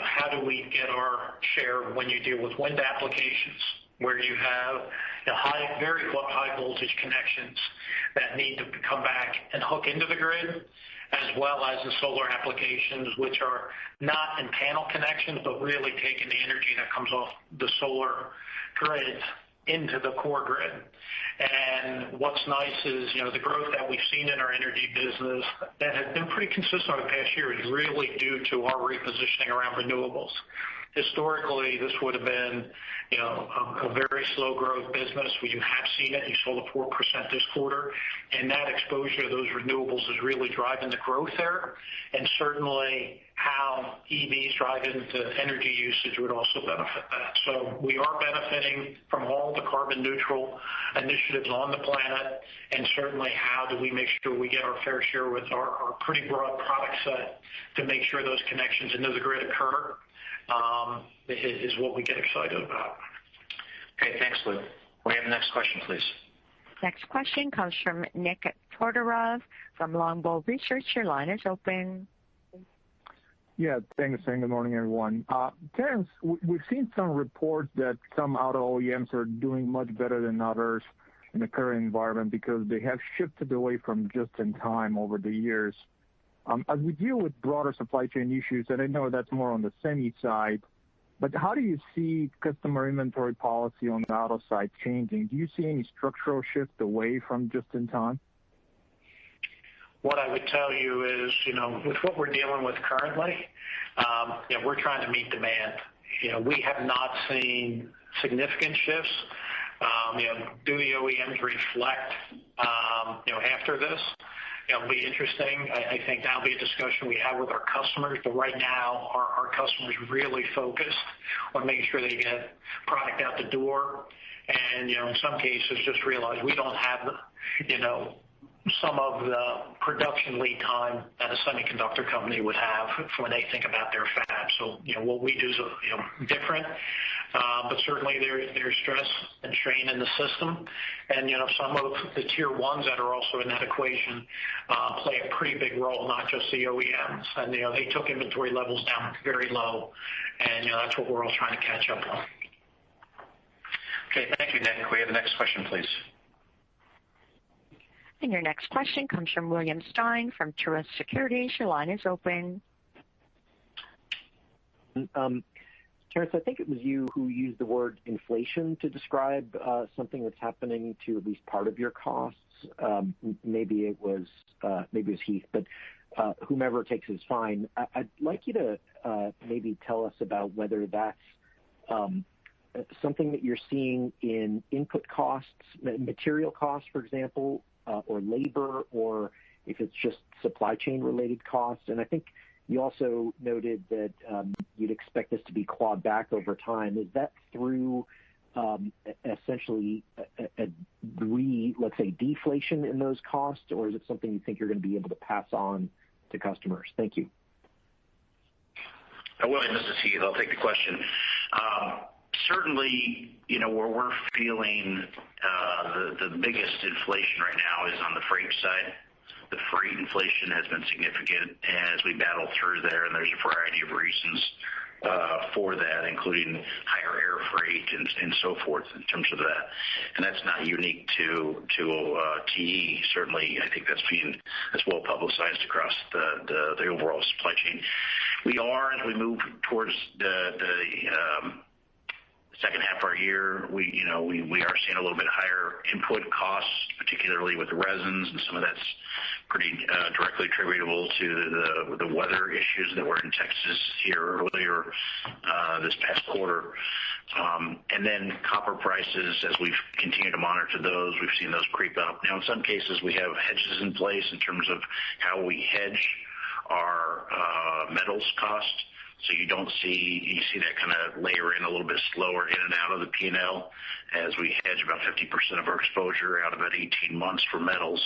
how do we get our share when you deal with wind applications, where you have very high voltage connections that need to come back and hook into the grid, as well as the solar applications, which are not in panel connections, but really taking the Energy that comes off the solar grid into the core grid. What's nice is the growth that we've seen in our Energy business that has been pretty consistent over the past year is really due to our repositioning around renewables. Historically, this would have been a very slow-growth business. You have seen it. You saw the 4% this quarter. That exposure to those renewables is really driving the growth there, and certainly, how EVs drive into Energy usage would also benefit that. We are benefiting from all the carbon neutral initiatives on the planet, and certainly how do we make sure we get our fair share with our pretty broad product set to make sure those connections into the grid occur, is what we get excited about. Okay, thanks, Luke. Can we have the next question, please? Next question comes from Nik Todorov from Longbow Research. Your line is open. Yeah, thanks. Good morning, everyone. Terrence, we've seen some reports that some Auto OEMs are doing much better than others in the current environment because they have shifted away from just-in-time over the years. As we deal with broader supply chain issues, and I know that's more on the semi side, but how do you see customer inventory policy on the Auto side changing? Do you see any structural shift away from just-in-time? What I would tell you is, with what we're dealing with currently, we're trying to meet demand. We have not seen significant shifts. Do the OEMs reflect after this? It'll be interesting. I think that'll be a discussion we have with our customers. Right now, our customers are really focused on making sure they get product out the door, and in some cases, just realize we don't have some of the production lead time that a semiconductor company would have when they think about their fabs. What we do is different. Certainly, there's stress and strain in the system. Some of the tier 1s that are also in that equation play a pretty big role, not just the OEMs. They took inventory levels down very low, and that's what we're all trying to catch up on. Okay. Thank you, Nik. Could we have the next question, please? Your next question comes from William Stein from Truist Securities. Your line is open. Terrence, I think it was you who used the word inflation to describe something that's happening to at least part of your costs. Maybe it was Heath, but whomever it takes is fine. I'd like you to maybe tell us about whether that's something that you're seeing in input costs, material costs, for example, or labor, or if it's just supply chain-related costs. I think you also noted that you'd expect this to be clawed back over time. Is that through essentially a, let's say, deflation in those costs, or is it something you think you're going to be able to pass on to customers? Thank you. William, this is Heath. I'll take the question. Certainly, where we're feeling the biggest inflation right now is on the freight side. The freight inflation has been significant, and as we battle through there, and there's a variety of reasons for that, including higher air freight and so forth in terms of that. That's not unique to TE. Certainly, I think that's been as well publicized across the overall supply chain. We are, as we move towards the second half of our year, we are seeing a little bit higher input costs, particularly with the resins, and some of that's pretty directly attributable to the weather issues that were in Texas here earlier this past quarter. Then copper prices, as we've continued to monitor those, we've seen those creep up. Now, in some cases, we have hedges in place in terms of how we hedge our metals cost. You see that kind of layer in a little bit slower in and out of the P&L as we hedge about 50% of our exposure out about 18 months for metals.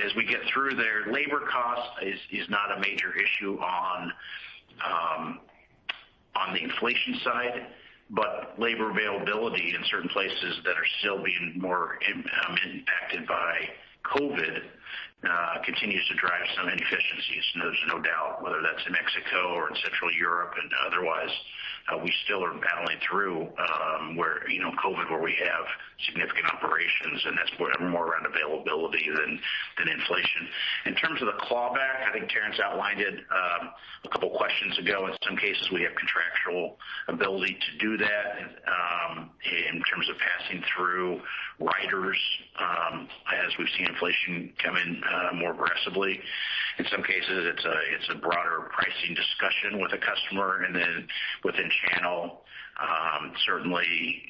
As we get through there, labor cost is not a major issue on the inflation side, but labor availability in certain places that are still being more impacted by COVID continues to drive some inefficiencies. There's no doubt. Whether that's in Mexico or in Central Europe and otherwise, we still are battling through COVID where we have significant operations, and that's more around availability than inflation. In terms of the clawback, I think Terrence outlined it a couple of questions ago. In some cases, we have contractual ability to do that in terms of passing through riders as we've seen inflation come in more aggressively. In some cases, it's a broader pricing discussion with a customer. Within channel, certainly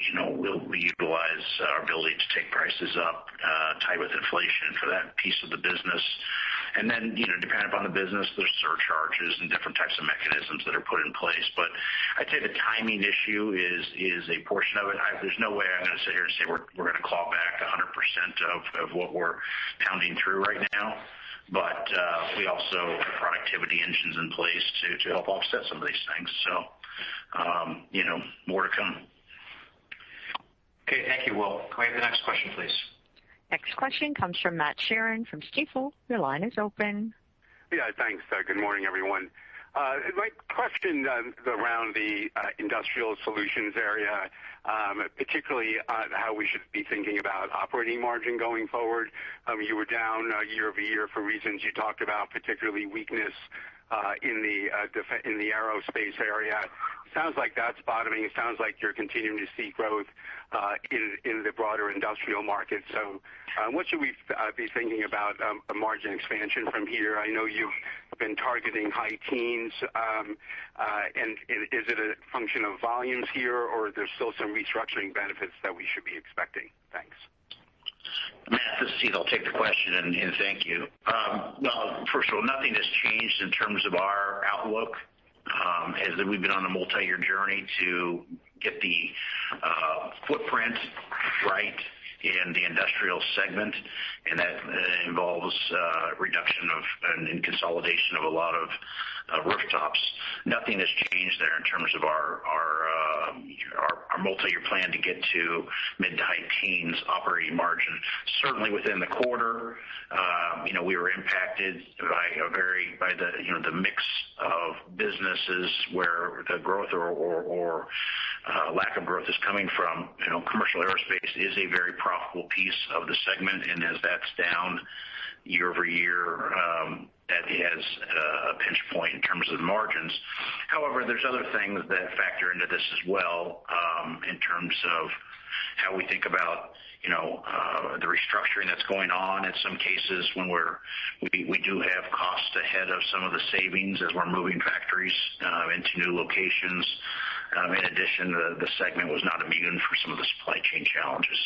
we utilize our ability to take prices up tight with inflation for that piece of the business. Depending upon the business, there's surcharges and different types of mechanisms that are put in place. I'd say the timing issue is a portion of it. There's no way I'm going to sit here and say we're going to claw back 100% of what we're pounding through right now. We also have productivity engines in place to help offset some of these things. More to come. Okay. Thank you, Will. Can we have the next question, please? Next question comes from Matt Sheerin from Stifel. Your line is open. Yeah, thanks. Good morning, everyone. My question around the Industrial Solutions area, particularly on how we should be thinking about operating margin going forward. You were down year-over-year for reasons you talked about, particularly weakness in the Aerospace area. Sounds like that's bottoming. Sounds like you're continuing to see growth in the broader Industrial market. What should we be thinking about a margin expansion from here? I know you've been targeting high teens. Is it a function of volumes here, or there's still some restructuring benefits that we should be expecting? Thanks. Matt, this is Heath. I'll take the question, and thank you. First of all, nothing has changed in terms of our outlook, as we've been on a multi-year journey to get the footprint right in the Industrial segment, and that involves reduction of and consolidation of a lot of rooftops. Nothing has changed there in terms of our multi-year plan to get to mid to high teens operating margin. Certainly within the quarter, we were impacted by the mix of businesses where the growth or lack of growth is coming from. Commercial Aerospace is a very profitable piece of the segment. As that's down year-over-year, that has a pinch point in terms of margins. However, there's other things that factor into this as well, in terms of how we think about the restructuring that's going on. In some cases, when we do have costs ahead of some of the savings as we're moving factories into new locations. In addition, the segment was not immune from some of the supply chain challenges.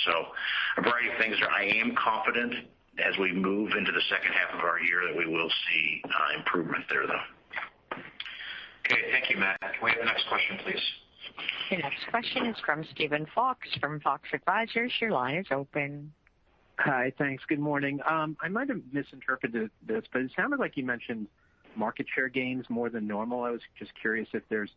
A variety of things. I am confident as we move into the second half of our year, that we will see improvement there, though. Okay. Thank you, Matt. Can we have the next question, please? The next question is from Steven Fox from Fox Advisors. Your line is open. Hi. Thanks. Good morning. I might have misinterpreted this, but it sounded like you mentioned market share gains more than normal. I was just curious if there's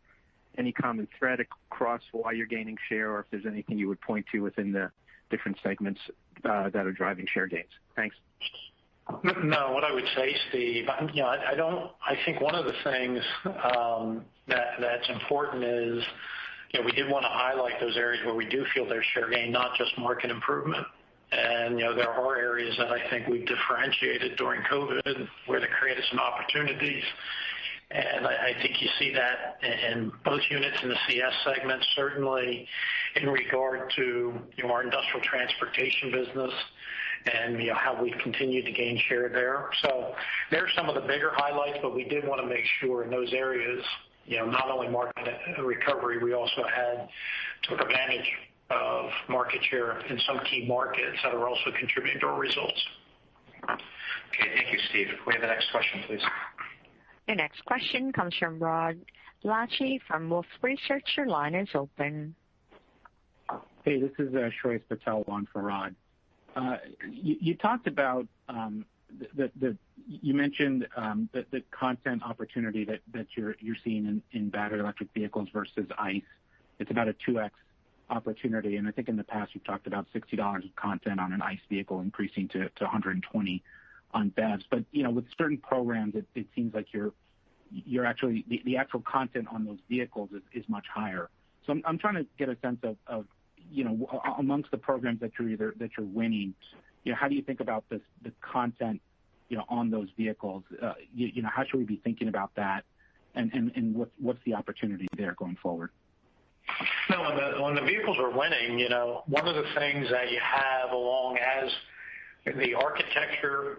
any common thread across why you're gaining share, or if there's anything you would point to within the different segments that are driving share gains. Thanks. No, what I would say, Steve, I think one of the things that's important is we did want to highlight those areas where we do feel there's share gain, not just market improvement. There are areas that I think we've differentiated during COVID where that created some opportunities. I think you see that in both units in the CS segment, certainly in regard to our Industrial Transportation business and how we've continued to gain share there. There's some of the bigger highlights, but we did want to make sure in those areas, not only market recovery, we also had took advantage of market share in some key markets that are also contributing to our results. Okay. Thank you, Steve. Can we have the next question, please? The next question comes from Rod Lache from Wolfe Research. Your line is open. Hey, this is Shreyas Patil on for Rod. You mentioned the content opportunity that you're seeing in battery electric vehicles versus ICE. It's about a 2x opportunity. I think in the past, you've talked about $60 of content on an ICE vehicle increasing to $120 on BEVs. With certain programs, it seems like the actual content on those vehicles is much higher. I'm trying to get a sense of, amongst the programs that you're winning, how do you think about the content on those vehicles? How should we be thinking about that, and what's the opportunity there going forward? When the vehicles are winning, one of the things that you have along as the architecture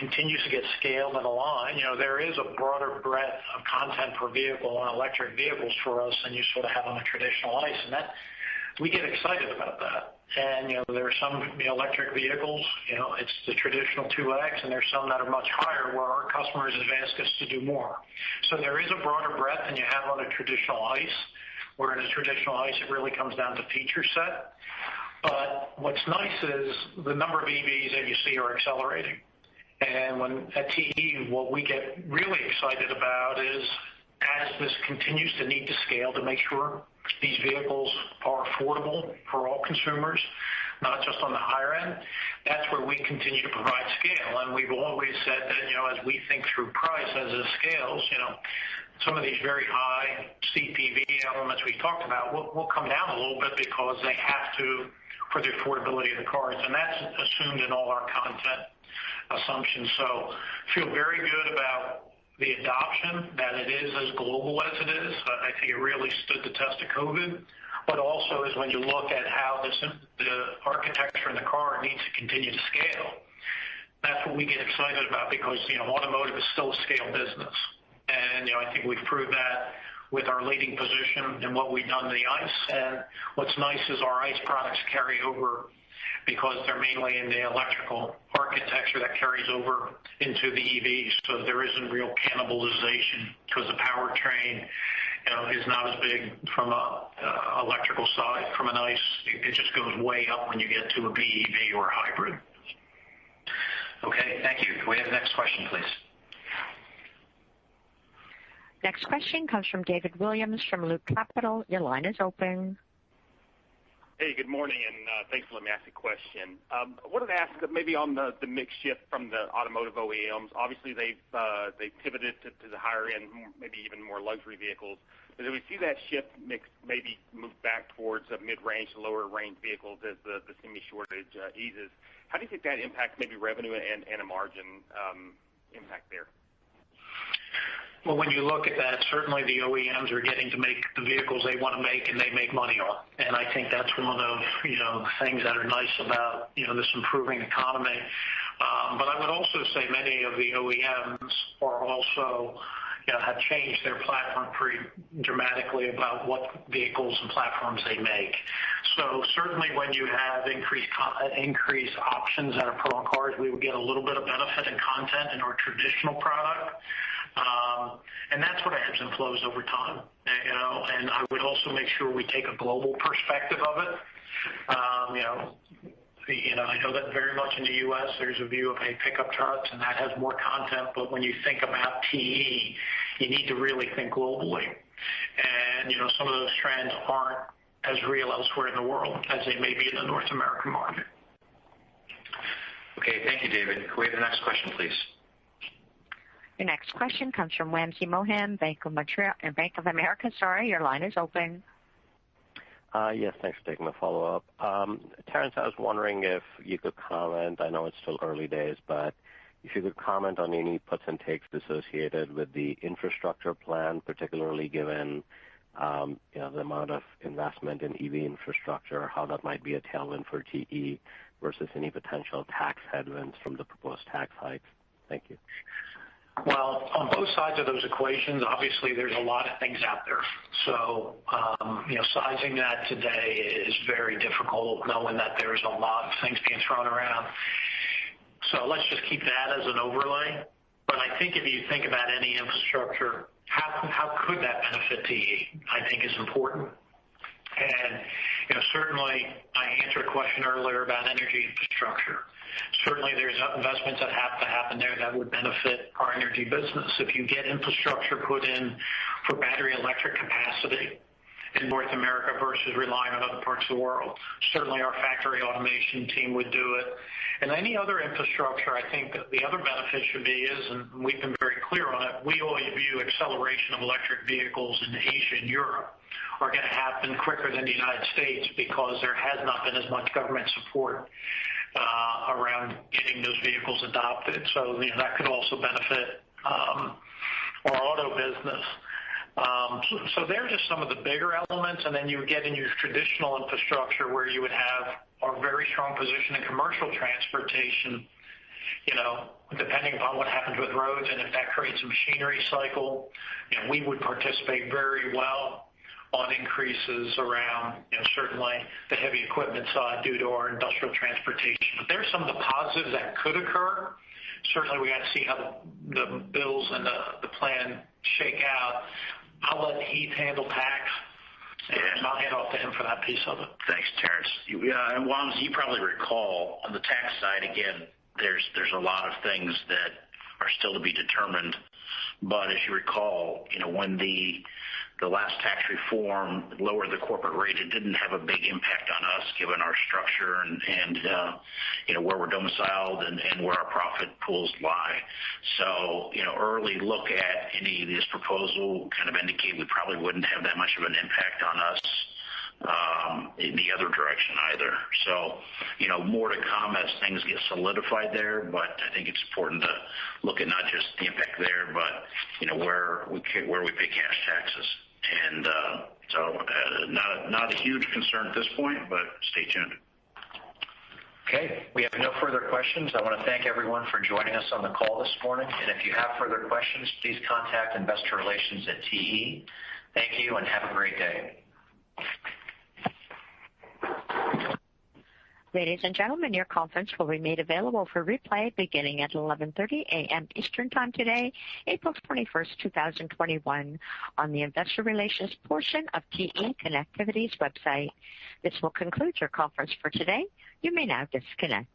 continues to get scaled and aligned, there is a broader breadth of content per vehicle on electric vehicles for us than you have on a traditional ICE, and we get excited about that. There are some electric vehicles, it's the traditional 2x, and there's some that are much higher, where our customers have asked us to do more. There is a broader breadth than you have on a traditional ICE, whereas a traditional ICE, it really comes down to feature set. What's nice is the number of EVs that you see are accelerating. At TE, what we get really excited about is as this continues to need to scale to make sure these vehicles are affordable for all consumers, not just on the higher end, that's where we continue to provide scale. We've always said that as we think through price, as it scales, some of these very high CPV elements we talked about will come down a little bit because they have to for the affordability of the cars. That's assumed in all our content assumptions. Feel very good about the adoption, that it is as global as it is. I think it really stood the test of COVID. Also is when you look at how the architecture in the car needs to continue to scale, that's what we get excited about because Automotive is still a scale business. I think we've proved that with our leading position in what we've done in the ICE. What's nice is our ICE products carry over because they're mainly in the electrical architecture that carries over into the EV. There isn't real cannibalization because the powertrain is not as big from an electrical side from an ICE. It just goes way up when you get to a BEV or a hybrid. Okay. Thank you. Can we have the next question, please? Next question comes from David Williams from Loop Capital. Your line is open. Hey, good morning. Thanks for letting me ask a question. I wanted to ask maybe on the mix shift from the Automotive OEMs. Obviously, they've pivoted to the higher end, maybe even more luxury vehicles. As we see that shift mix maybe move back towards the mid-range, lower range vehicles as the semi shortage eases, how do you think that impacts maybe revenue and a margin impact there? When you look at that, certainly the OEMs are getting to make the vehicles they want to make and they make money on. I think that's one of the things that are nice about this improving economy. I would also say many of the OEMs have changed their platform pretty dramatically about what vehicles and platforms they make. Certainly, when you have increased options that are put on cars, we would get a little bit of benefit in content in our traditional product. That's what ebbs and flows over time. I would also make sure we take a global perspective of it. I know that very much in the U.S. there's a view of, "Hey, pick up charts, and that has more content." When you think about TE, you need to really think globally. Some of those trends aren't as real elsewhere in the world as they may be in the North American market. Okay. Thank you, David. Can we have the next question, please? Your next question comes from Wamsi Mohan, Bank of America. Sorry, your line is open. Yes, thanks for taking my follow-up. Terrence, I was wondering if you could comment, I know it's still early days, but if you could comment on any puts and takes associated with the infrastructure plan, particularly given the amount of investment in EV infrastructure, how that might be a tailwind for TE versus any potential tax headwinds from the proposed tax hike. Thank you. Well, on both sides of those equations, obviously, there's a lot of things out there. Sizing that today is very difficult, knowing that there's a lot of things being thrown around. Let's just keep that as an overlay. I think if you think about any infrastructure, how could that benefit TE, I think is important. Certainly, I answered a question earlier about Energy infrastructure. Certainly, there's investments that have to happen there that would benefit our Energy business. If you get infrastructure put in for battery electric capacity in North America versus relying on other parts of the world, certainly our factory automation team would do it. Any other infrastructure, I think the other benefit should be is, and we've been very clear on it, we only view acceleration of electric vehicles in Asia and Europe are going to happen quicker than the U.S. because there has not been as much government support around getting those vehicles adopted. That could also benefit our Auto business. There are just some of the bigger elements, and then you would get in your traditional infrastructure where you would have our very strong position in Commercial Transportation, depending upon what happens with roads, and if that creates a machinery cycle. We would participate very well on increases around certainly the heavy equipment side due to our Industrial Transportation. There are some of the positives that could occur. Certainly, we got to see how the bills and the plan shake out. I'll let Heath handle tax, and I'll hand off to him for that piece of it. Thanks, Terrence. Yeah, and Wamsi, you probably recall on the tax side, again, there's a lot of things that are still to be determined. As you recall, when the last tax reform lowered the corporate rate, it didn't have a big impact on us given our structure and where we're domiciled and where our profit pools lie. Early look at any of this proposal kind of indicate we probably wouldn't have that much of an impact on us in the other direction either. More to come as things get solidified there, but I think it's important to look at not just the impact there, but where we pay cash taxes. Not a huge concern at this point, but stay tuned. Okay. We have no further questions. I want to thank everyone for joining us on the call this morning. If you have further questions, please contact investor relations at TE. Thank you and have a great day. Ladies and gentlemen, your conference will be made available for replay beginning at 11:30 AM Eastern Time today, April 21st, 2021, on the investor relations portion of TE Connectivity's website. This will conclude your conference for today. You may now disconnect.